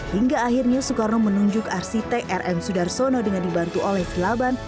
hingga akhirnya soekarno menunjuk arsitek rm sudarsono dengan dibantu oleh kilaban